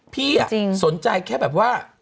พี่สนใจแค่แบบว่า